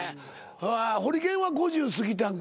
ホリケンは５０過ぎたんか？